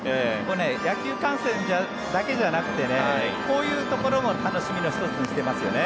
野球観戦だけじゃなくてこういうところも楽しみの１つにしていますよね。